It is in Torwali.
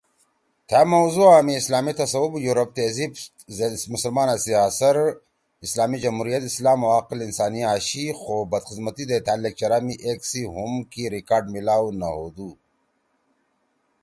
تھأ موضوعا می اسلامی تصّوف، یورپ تہذیب زید مسلمانا سی اثر، اسلامی جمہوریت، اسلام او عقلِ انسانی آشی خو بدقسمتی دے تھأ لیکچرا ما ایک سی ہُم کی ریکارڈ میلاؤ نہ ہودُو